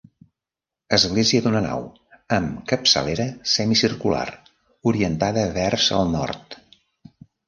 Església d'una nau amb capçalera semicircular, orientada vers el nord.